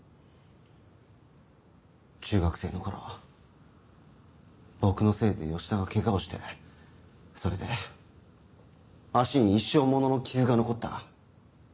中学生の頃僕のせいで吉田はケガをしてそれで足に一生ものの傷が残った。